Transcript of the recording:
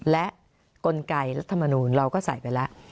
และกลไกรัฐมนูลเราก็ใส่ไปแล้ว